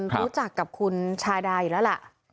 รู้จักคุณชาดา